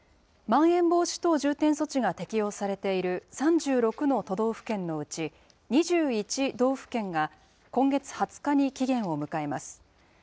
まん延防止等重点措置が適用されている３６の都道府県のうち、２１道府県が、今月２０日に期限を迎えます。